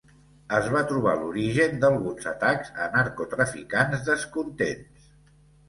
Es va trobar l'origen d'alguns atacs a narcotraficants descontents.